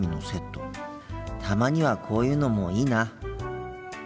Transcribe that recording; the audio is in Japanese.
たまにはこういうのもいいな。